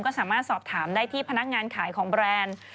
ก็สามารถสอบถามได้ที่พนักงานขายของแบรนด์